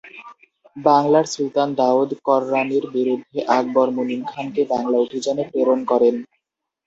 বাংলার সুলতান দাউদ কররানীর বিরুদ্ধে আকবর মুনিম খানকে বাংলা অভিযানে প্রেরণ করেন।